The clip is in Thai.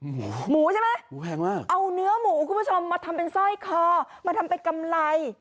โอ้โหหมูใช่ไหมหมูแพงมากเอาเนื้อหมูคุณผู้ชมมาทำเป็นสร้อยคอมาทำเป็นกำไร